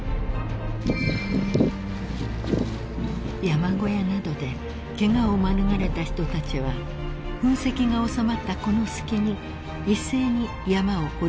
［山小屋などでケガを免れた人たちは噴石が収まったこの隙に一斉に山を下り始めていました］